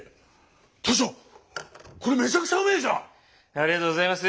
ありがとうございます。